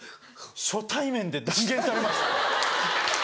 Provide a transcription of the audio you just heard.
初対面で断言されました。